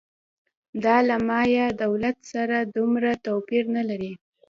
دا له مایا دولت سره دومره توپیر نه لري